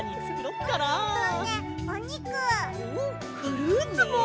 フルーツも！